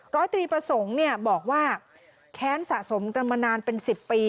ร้อยตรีประสงค์บอกว่าแค้นสะสมกันมานานเป็น๑๐ปี